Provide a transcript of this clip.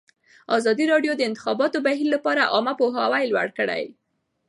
ازادي راډیو د د انتخاباتو بهیر لپاره عامه پوهاوي لوړ کړی.